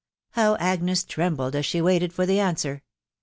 How Agnes trembled as she waited for the answer